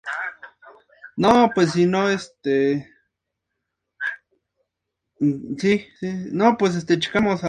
Una característica importante de Racer es que es en código abierto.